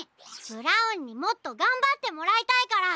ブラウンにもっとがんばってもらいたいから。